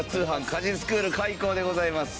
家事スクール開校でございます。